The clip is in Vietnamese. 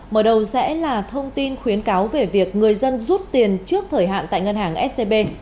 mở đầu sẽ là thông tin khuyến cáo về việc người dân rút tiền trước thời hạn tại ngân hàng scb